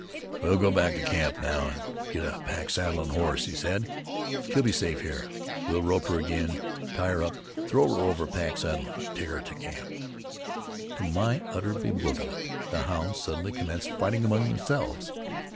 "We'll go back to camp now, and get a pack, saddle and horse," he said. "She'll be safe here. We'll rope her again, tie her up, throw her over a pack saddle, and take her to camp." To my utter bewilderment the hounds suddenly commenced fighting among themselves.